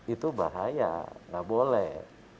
itu bahaya nggak boleh